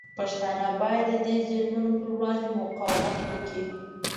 پښتانه باید د دې ظلمونو پر وړاندې مقاومت وکړي.